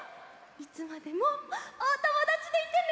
いつまでもおともだちでいてね！